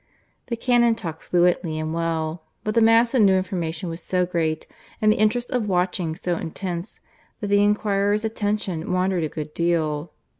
The canon talked fluently and well; but the mass of new information was so great, and the interest of watching so intense, that the enquirer's attention wandered a good deal.